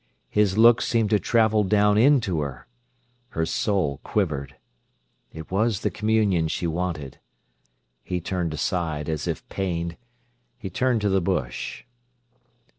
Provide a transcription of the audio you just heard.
His look seemed to travel down into her. Her soul quivered. It was the communion she wanted. He turned aside, as if pained. He turned to the bush.